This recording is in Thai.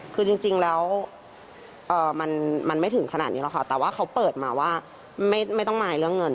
คือจริงแล้วมันไม่ถึงขนาดนี้หรอกค่ะแต่ว่าเขาเปิดมาว่าไม่ต้องมายเรื่องเงิน